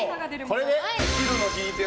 これで。